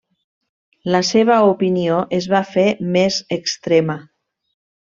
La seva opinió es va fer més extrema.